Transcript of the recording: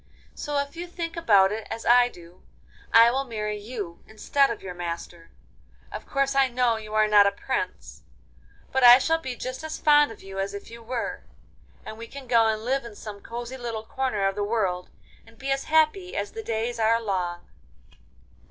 So, if you think about it as I do, I will marry you instead of your master. Of course I know you are not a prince, but I shall be just as fond of you as if you were, and we can go and live in some cosy little corner of the world, and be as happy as the days are long.